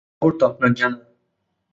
এই খবর তো আপনার জানা।